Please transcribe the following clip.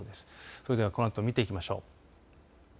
それではこのあと見ていきましょう。